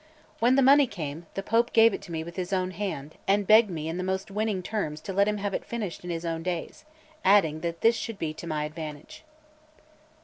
When the money came, the Pope gave it to me with his own hand, and begged me in the most winning terms to let him have it finished in his own days, adding that this should be to my advantage.